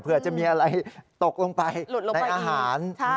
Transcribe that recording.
เผื่อจะมีอะไรตกลงไปในอาหาร